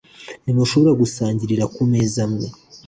ntimushobora gusangirira ku meza amwe